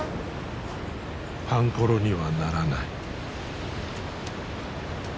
パンコロにはならない。